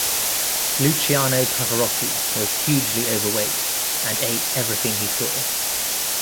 Luciano Pavarotti was hugely overweight and ate everything he saw.